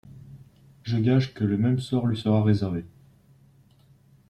Je gage que le même sort lui sera réservé.